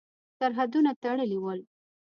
سرحدونه تړلي ول.